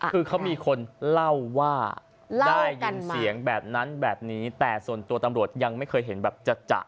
คือเขามีคนเล่าว่าได้ยินเสียงแบบนั้นแบบนี้แต่ส่วนตัวตำรวจยังไม่เคยเห็นแบบจัด